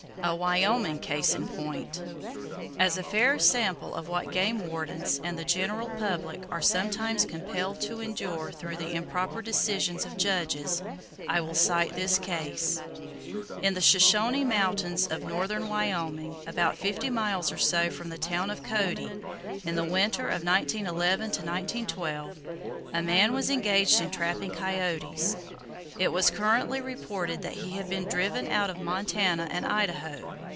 A Wyoming Case In Point. —As a fair sample of what game wardens, and the general public, are sometimes compelled to endure through the improper decisions of judges, I will cite this case: In the Shoshone Mountains of northern Wyoming, about fifty miles or so from the town of Cody, in the winter of 1911 12 a man was engaged in trapping coyotes. It was currently reported that he had been "driven out of Montana and Idaho."